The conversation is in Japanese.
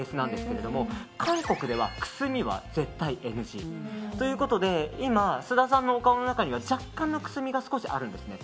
韓国ではくすみは絶対ＮＧ。ということで今、須田さんのお顔の中には若干のくすみが少しあるんですね。